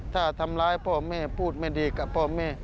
ถ้าทำร้ายพ่อแม่พูดไม่ดีกับพ่อแม่